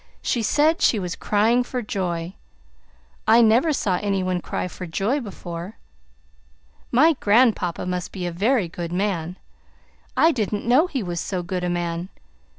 "She said she was crying for joy! I never saw any one cry for joy before. My grandpapa must be a very good man. I didn't know he was so good a man.